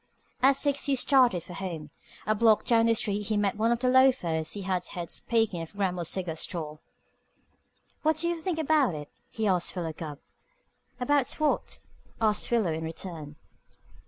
At six he started for home. A block down the street he met one of the loafers he had heard speaking in Grammill's Cigar Store. "What do you think about it?" he asked Philo Gubb. "About what?" asked Philo in return.